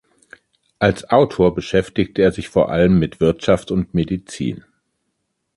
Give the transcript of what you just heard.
Als Autor beschäftigt er sich vor allem mit Wirtschaft und Medizin.